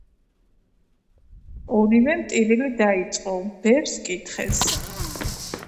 ორივემ ტირილი დაიწყო. ბერს ჰკითხეს